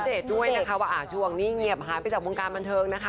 ด้วยนะคะว่าช่วงนี้เงียบหายไปจากวงการบันเทิงนะคะ